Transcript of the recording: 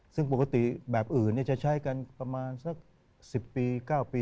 ซึ่งปกติแบบอื่นจะใช้กันประมาณสัก๑๐ปี๙ปี